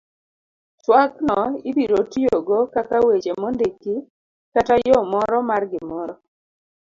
twak no ibiro tiyogo kaka weche mondiki kata yo moro mar gimoro